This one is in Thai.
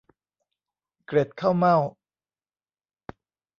เกล็ดข้าวเม่า